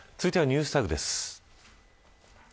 続いてはＮｅｗｓＴａｇです。